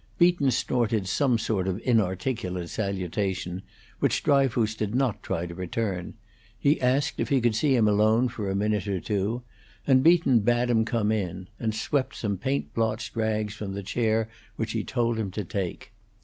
Beaton snorted some sort of inarticulate salutation, which Dryfoos did not try to return; he asked if he could see him alone for a minute or two, and Beaton bade him come in, and swept some paint blotched rags from the chair which he told him to take.